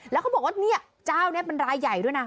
แล้วเขาบอกว่าเจ้านี่มันลายใหญ่ด้วยนะ